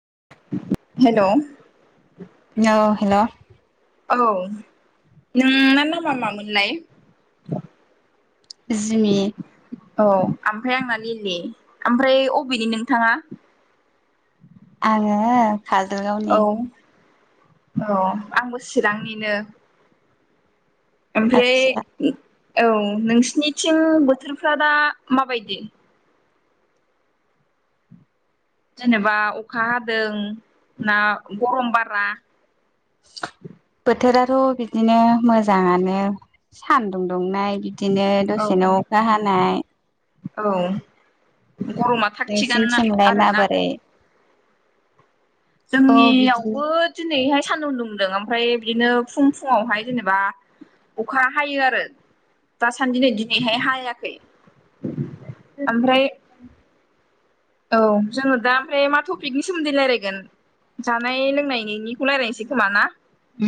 [inaudible] औ हेल'। औ नोंना नामा मामोनलाय? जिमि । औ ओमफ्राय आंना लिलि ओमफ्राय अबेनि नोंथाङा। आङो औ काजलगावनि। औ आंबो चिरांनिनो। ओमफ्राय आदसा उ। औ नोंसनिथिं बोथोरफ्रा दा माबायदि? जेनेबा अखा हादों ना गरम बारा। बोथोराथ' बिदिनो मोजाङानो सानदुं दुंनाय। बिदिनो औ दसेनो अखा हानाय। औ गरमा थाग थिगानोना नोंसिनिथिंलाय आरोना? माबोरै औ बिदिनो जोंनियावबो दिनैहाय। सानदुं दुंदों ओमफ्राय बिदिनो फुं फुुं वावहाय जेनेबा अखा हायो आरो। दासान्दि नै दिनैहाय हायाखै ओमफ्राय औ जोङो दा ओमफ्राय मा टपिकनि सोमोन्दै रायलायगोन। जानाय लोंनायनिखौ राय्लायसै खोमा ना? उ।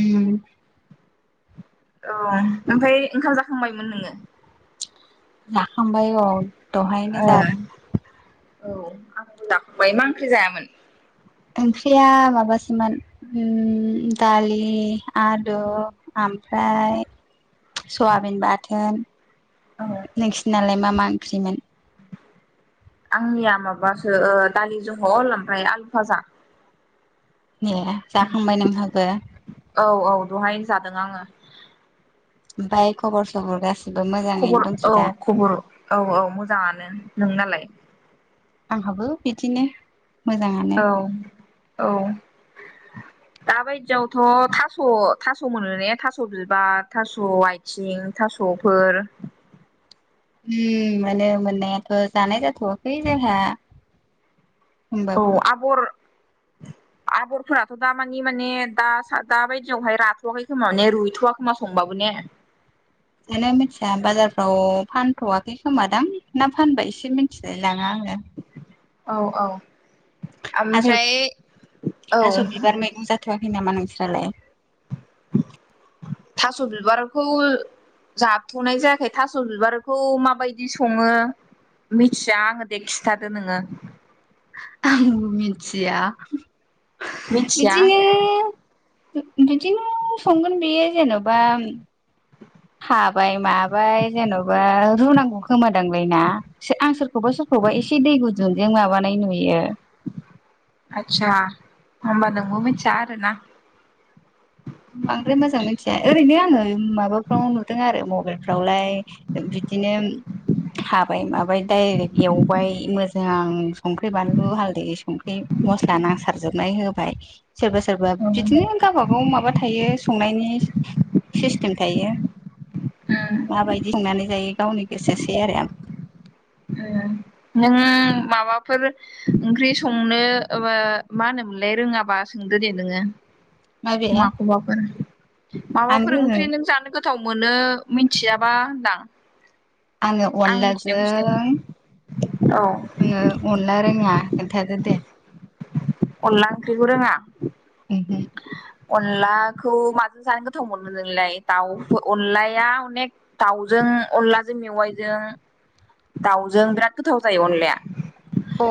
औ ओमफ्राय ओंखाम जाखांबायमोन नोङो? जाखांबाय औ दहायनो ओ जादों। औ आं जाखांबाय मा ओंख्रि जायामोन? ओंख्रिया माबासोमोन उम दालि आदु आ। ओमफ्राय सवाबिन बाथोन। औ नोंसिनालाय मा मा ओंख्रिमोन? [inaudible] आंनिया माबासो ओ दालि जहल ओमफ्राय आलुफाजा। ए जाखांबाय नोंहाबो? बेहायनो जादों आङो। बाय खबर सबर गासै खबर औ खबर औ औ मोजाङानो नोंनालाय आंहाबो बिदिनो। मोजाङानो औ औ। दाबायदियावथ' थास' थास' मोनो ने थास' बिबार थास' आयथिं। थास'फोर उ मोनो मोननायाथ' जानाय जाथ'वाखै जोंहा। औ होमबाबो आगर आगरफोराथ' दामानि माने दा दाबायदियावहाय राथ'वाखै खोमा माने रुइथ'व खोमा संबाबो ने। जानो मिथिया बाजारफ्राव फानथ'वाखै खोमादां ना फानबायसो मिथिलाय लाङा आङो औ औ थास' ओमफ्राय औ। खोयाखोय नामा नोंस्रालाय। थास' बिबारखौ। जाबथ'नाय जायाखै थास' बिबारखौ माबायदि सङो। मिथिया आङो दे खिथादो नोङो। आंबो मिथिया मिथिया बिदिनो। बिदिनो संगोन बेयो जेन'बा। हाबाय माबाय जेन'बा रुनांगौ खोमान। दांलायना आं सोरखौबा सोरखौबा एसे दै गुदुंजों माबानाय नुयो। आतसा ओमबा नोंबो मिथिया आरो ना। बांद्राय मोजां मिथिया ओरैनो आङो माबाफ्राव नुदों आरो मबाइलफ्रावलाय बिदि। बिदिनो हाबाय माबाय डाइरेक एवबाय मो जों आं संख्रि बानलु हालदै संख्रि मस्ला नांसारजोबनाय होबाय। सोरबा सोरबा उम बिदिनो गावबा गाव माबा। थायो संनायनि सिस्टेम थायो। उम माबायदि संनानै जायो गावनि गोसोसै आरो। नों माबाफोर ओंख्रि संनो मा होनोमोनलाय रोङाबा सोंदो दे नोङो माबे माखौबाफोर माबाफोर आङो ओंख्रि नों जानो गो गोथाव मोनो मिथियाबा होनदां। आं अनलाजों। औ आङो अनला रोङा खोन्थादो दे? अनला ओंख्रिखौ रोङा। अनलाखौ माजों जानो गोथाव मोनो नोंलाय दाउ अनलाया अनेक दाउजों अनलाजों मेवाइजों दाउजों बिराद गोथाव जायो अनलाया। औ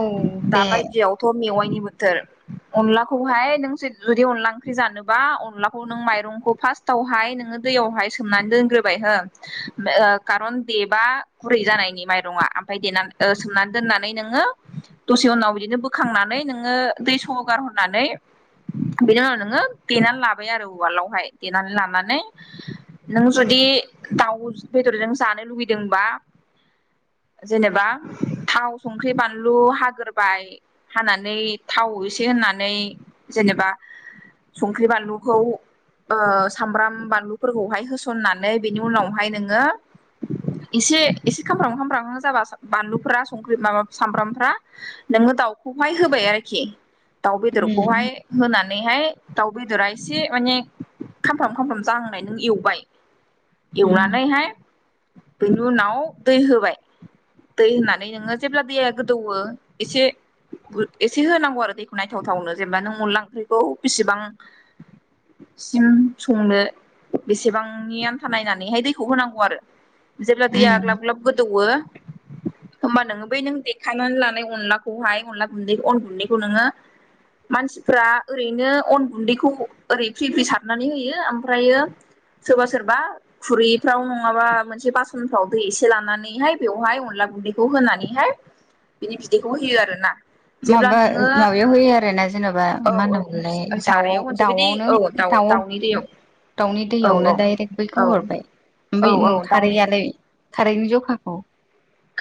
दे दाबायदियावथ' मेवाइ बोथोर अलाखौहाय नों जुदि अनला ओं ओंख्रि जानोबा अनलाखौ नों माइरंखौ फार्स्टावहाय नोङो दैयावहाय सोमनानै दोनग्रोबाय हो खारन देबा गुरै जानायनि माइरङा ओमफफ्राय देनानै सोमनानै दोननानै नोङो दसे उनाव बिदिनो बोखांनानै नोङो दै सहोगार होनानै बिनि उनाव नोङो देनानै लाबाय आरो उवालावहाय देनानै लानानै नों जुदि दाउ बेदरजों जानो लुगैदोंबा जेनेबा थाव संख्रि बानलु हाग्रोबाय हानानै थाव एसे होन नानै जेनेबा संख्रि बानलुखौ ओ सामब्राम बानलुफोरखौहाय होसननानै बेनि उनावहाय नोङो एसे एसे खामब्राम खामब्राम जाबा बानलुफोरा संख्रि माबा सामब्रामफोरा नोङो दाउ खौहाय होबाय आरोखि दाउ उम बेदरखौहाय होनानैहाय दाउ बेदरा एसे माने खामफ्राम खामफ्राम जांनाय नों एवबाय उम एवनानैहाय बेनि उनाव दै होबाय दै होननानै नोङो जेब्ला दैया गोदौओ एसे एसे होनांगौ आरो दैखौ नायथावथावनो जेनेबा नों अनला ओंख्रिखौ बेसिबां सिम संनो बेसेबांनि आन्था नायनानैहाय दैखौ होनांगौ आरो जेब्ला दैया उम ग्लाब ग्लाब गोदौवो [inaudible] होमबा नोङो बै नों देखांनानै लानाय अनलाखौहाय अनला गुन्दै अन गुन्दैखौ नोङो मानसिफ्रा ओरैनो बिनो अन गुन्दैखौ ओरै फ्रि फ्रि सारनानै होयो ओमफ्रायो सोरबा सोरबा खुरैफ्राव नङाबा मोनसे बासनफ्राव दै एसे लानानैहाय बेवहाय अनला गुन्दैखौ होनानैहाय बिनि बिदैखौ होयो आर ना। माबा -माबायाव होयो आरो ना जेन'बा औ मा औ होनना बुं फ्राय दाउ सारायाव होनसै बिदि दाउआवनो औ दाउ दाउनि दैयाव दाउनि औ दैयावनो औ दडाइरेक्ट बैखौ औ हरबाय औ ओमफफ्राय औ दाउनि नंखारैयालाय थारैनो जखाखौ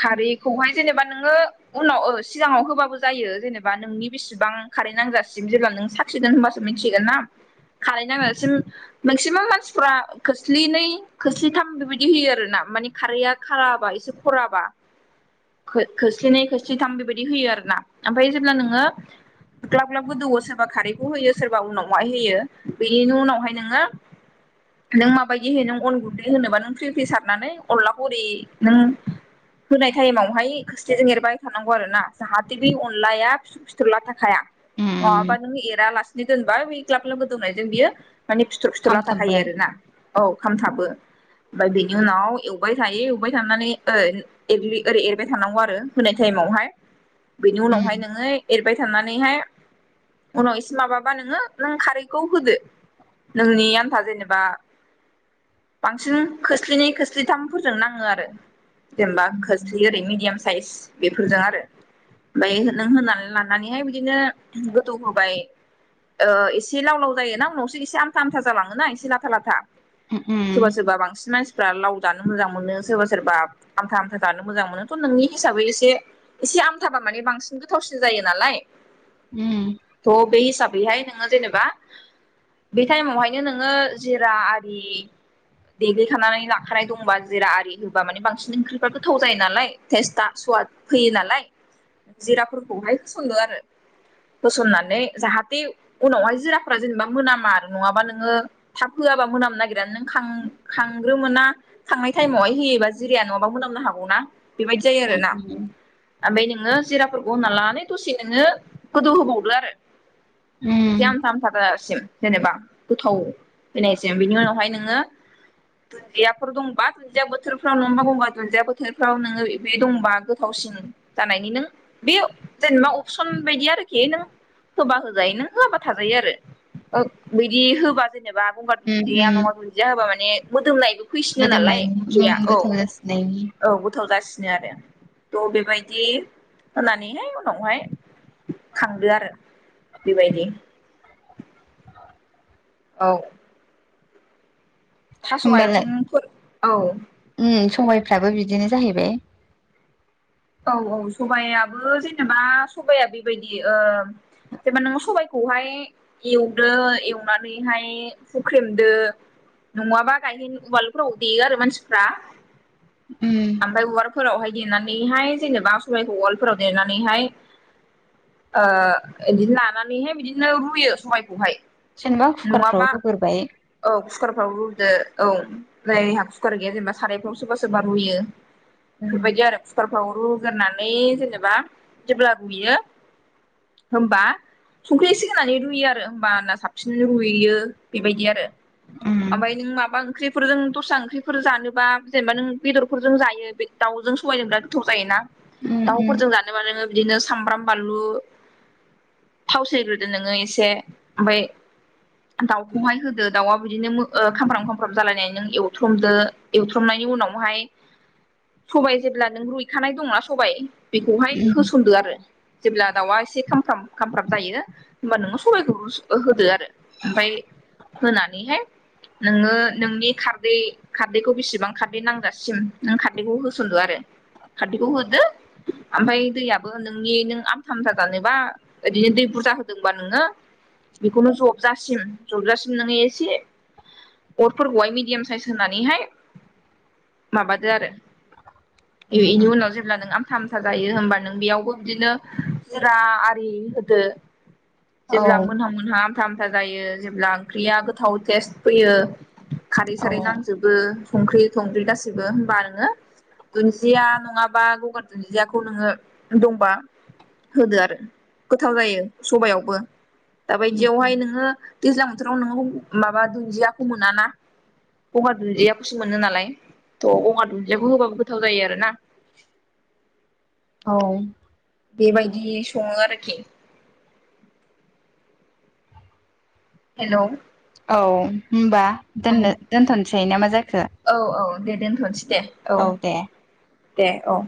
खारैखौहाय जेनेबा नोङो- उनाव ओ सिगाङाव होबाबो जायो जेनेबा नोंनि बेसेबां कारै नांजासिम जेब्ला नों साखिदों होनबा मिथिगोन ना। खारै नांजासिम मेक्सिमाम मानसिफ्रा खोस्लिनै खोस्लिथाम बेबायदि होयो आरोना। माने खारैया खाराबा एसे खराबा खो खोस्लिनै खोस्लिथाम बेबायदि होयो आरो ना ओमफ्राय जेब्ला नोङो ग्लाब- ग्लाब गोदौओ सोरबा खारैखौ होयो सोरबा उनावहाय होयो बेनि उनावहाय नोङो नों माबायदि होयो नों अन गुन्दै होनोबा नों फ्रि -फ्रि सारनानै अनला हरि नों होनाय टाइमावहाय खोस्लिजों एरबाय थानांगौ आरो ना जाहाथे बे अनलाया फिसु- फिथर लाथा हाया नङाबा उम नों एरालासिनो दोनबाया बेइ ग्लाब गलाब गोदौनायजों बियो माने फिथर -फिथर लाथा खायो खामथाबगोन आरो ना। औ खामथाबो ओमफ्राय बेनि उनाव एवबाय थायो एवबाय थानानै ओ एग्लि ओरै एरबाय थानांगौ आरो होनाय टाइमावहाय बेनि उनावहाय उम नोङो एरबाय थानानैहाय उनाव इसे माबाबा नोङो नों खारैखौ होदो। नोंनि आन्था जेनेबा बांसिन खोस्लिनि- खोस्लिथामफोरजों नाङो आरो जेनेबा खोस्लि ओरै मिडियाम साइस बेफोरजों आरो। ओमफफ्राय नों होनानै लानानैहाय बिदिनो गोदौ होबाय। ओ एसे लाव- लाव जायो ना उनावसो एसे आमथा आमथा जालाङोना इसे लाथा -लाथा। उम सोरबा -सोरबा बांसिन मानसिफ्रा लाव दानो मोजां मोनो सोरबा -सोरबा आमथा जानो मोजां मोनोथ' नोंनि हिसाबै एसे एसे आमथाबा माने बांसिन गोथावसिन जायो नालाय उम थ' बे हिसाबैहाय नोङो जेनेबा बे टाइमावहायनो नोङो जिरा आरि देग्लिखानानै लाखानाय दंबा जेरा आरि होबा माने बांसिन ओंख्रि बे गोथाव जायो नालाय टेस्टा सुवाद फैयो नालाय। जिराफोरखौहाय होसनदो आरो। होसननानै जाहाथे उनावहाय जिराफ्रा जेनेबा मोनामा आरो नङाबा नोङो थाब होआबा मोनामनो नागिरा नों खां-खांग्रो मोना खांनाय थाइमावहाय होयोबा जिरिया नङाबा मोनाम होनो हबावो ना बेबायदि जायो आरो ना। उम ओमफाय नोङो जिराफोरखौ होना लानानै दसे नोङो गोदौ होबावदो आरो। एथि उम आमथा- आमथा जाजासिम। जेनेबा गोथाव फैनायसै बिनि उनावहाय नोङो दुन्दियाफोर दंबा दुदिया बोथोरफ्राव नङाबा गंगा दुन्दिया बोथोरफ्राव नोङो बे दंबा गोथावसिन जानायनि नों बे जेनेबा अपसन बायदि आरखि नों होबा होजायो नों होआाबा थाजायो आरो बिदि होबा जेनेबा हनगार दुन्दिया उम नङा दुन्दिया होबा माने मोदोमनायबो फैसिनो नालाय मोदोमनायनि ओंख्रिया उम औ। गोथाव जासिनायनि औ गोथाव जासिनो आरों। थ' बेबायदि होनानैहाय उनावहाय खांदो आरो बेबायदि। औ थास' होमबालाय आथिंफोर औ उम सबायफ्राबो बिदिनो जाहैबाय। औ -औ सबायाइाबो जेनेबा सबाया बेबायदि जेनेबा नोङो सबायाइखौहाय एवदो एवनानैहाय हुख्रेमदो नङाबा गायहै उवालफोराव देयो आरो मानसिफ्रा। उम ओमफ्राय उालफोरावहाय देनानैहाय जेनेबा सबायाइखौ उालफोराव देनानैहाय ओ बिदिनो लानानैहाय बिदिनो रुयो सबबायखौहाय। जेनेबा कुकारफ्राव नङाबा रुग्रोबाय औ कुकारफ्रावबो औ जायहा कुकार गैया जेनेबा सारायफ्राव सोरबा -सोरबा रुयो उम बेफोरबायदि आरो। रुग्रनानै जेनेबा जेब्ला रुयो होनबा संख्रि सिगांनानै रुइयो आरो होमबा साबसिन रुइयो बेबायदि आरो। ओम बा ओंख्रिफोरजों दस्रा ओंख्रिफोर जानोबा जेनेबा नों बेदर फोरजों जायो बे दाउजों संबा सबायजों बिराद गोथाव जायोना उम दाउफोरजों जानोबा नोङो बिदिनो सामब्राम बानलु थाव सेरग्रोदो नोङो एसे ओमफाय दाउखौहाय होदो दाउआ बिदिनो खामफ्राम -खामफ्राम जालायनानै नों एवथ्रमदो एवथ्रमनायनि उनावहाय सबाय जेब्ला नों रुइखानाय दंना सबाय बेखौहाय होसनदो आरो। जेब्ला दाउआ एसे खामफ्राम- खामफ्राम जायो होमबा नोङो सबायखौ होदो आरो ओमफ्राय होनानैहाय नोङो नोंनि खारदै -खारदैखौ बेसेबां खारदै नांगजासिम नों खारदैखौ होसनदो आरो। खारदैखौ होदो ओमफ्राय दैयाबो नोंनि नों आमथा आामथा जानोबा ओदिनो दै बुरजा होदोंबा नोङो बेखौनो जबजासिम जबजासिम नोङो एसे अरफोरखौहाय मिडियाम साइस होनानैहाय माबादो आरो। उम बेनि उम उनाव जेब्ला नों आमथा आमथा जायो होमबा नों बेयावबो बिदिनो जा आरि होदो औ जेब्ला मोनहा मोनहा आथा जायो जेब्ला ओंख्रिया गोथाव टेस्ट फैयो खारै सारै औ नांजोबो संख्रि थंख्रि गासैबो हबा नोङो दुन्दिया नङाबा गंगार दुन्दियाखौ नोङो दंबा होदो आरो गोथाव जायो सबयावबो दाबायदियावहाय नोङो दैज्लां बोथोराव नोङो माबा दुन्दियाखौ मोन ना गंगार दुन्दियाखौसो मोनो नालाय थ' गंगार दुन्दियाखौ होबाबो गो गोथाव जायो आरोना। औ बेबायदि सङो आरोखि हेल' औ होनबा दोननो दोनथ'नोसै नामा जां औ औ दे दोनथ'नोसै दे औ दे औ।